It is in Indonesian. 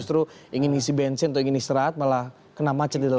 justru ingin isi bensin atau ingin istirahat malah kena macet gitu